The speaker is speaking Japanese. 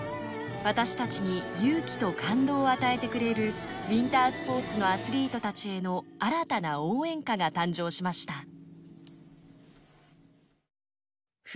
私たちに勇気と感動を与えてくれるウィンタースポーツのアスリートたちへの新たな応援歌が誕生しました。